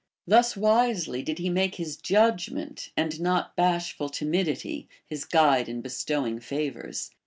Thus Avisely did he make his judg ment, and not bashful timidity, his guide in bestowing favors.